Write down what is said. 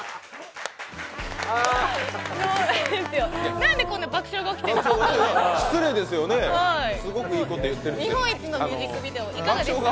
何でこんな爆笑が起きているんですか？